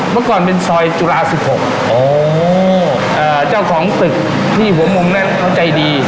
เมื่อก่อนเป็นซอยจุฬา๑๖อ๋อเจ้าของตึกที่หัวมุมนั้นเขาใจดี